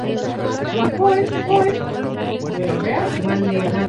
Además la estrella del rock Sting participó en la protesta.